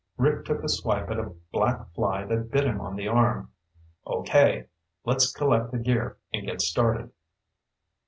Rick took a swipe at a black fly that bit him on the arm. "Okay. Let's collect the gear and get started."